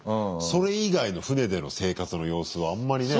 それ以外の船での生活の様子はあんまりね。